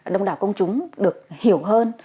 đông đảo công chúng được hiểu hơn